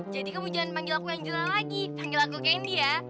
jadi kamu jangan panggil aku angel lagi panggil aku candy ya